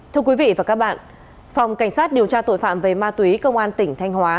thưa quý vị và các bạn phòng cảnh sát điều tra tội phạm về ma túy công an tỉnh thanh hóa